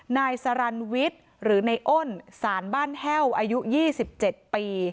นายสรรวิทธิ์หรือนายอ้นสารบ้านแห้วอายุยี่สิบเจ็ดปี